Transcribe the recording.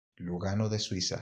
Lugano de Suiza.